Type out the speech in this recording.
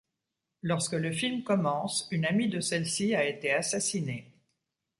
Lorsque le film commence, une amie de celle-ci a été assassinée.